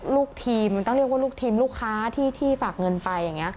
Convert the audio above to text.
ลูกทีมมันต้องเรียกว่าลูกทีมลูกค้าที่ฝากเงินไปอย่างนี้